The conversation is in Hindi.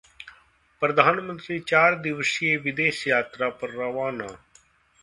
प्रधानमंत्री चार दिवसीय विदेश यात्रा पर रवाना